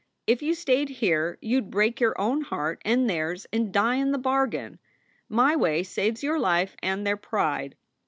If you stayed here you d break your own heart and theirs and die in the bargain. My way saves your life and their pride.